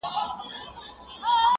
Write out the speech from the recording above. • او احساسات يې خوځېږي ډېر,